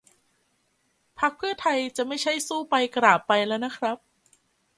พรรคเพื่อไทยจะไม่ใช่สู้ไปกราบไปแล้วนะครับ